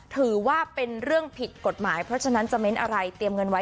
ถือว่าเป็นเรื่องผิดกฎหมายเพราะฉะนั้นจะเน้นอะไรเตรียมเงินไว้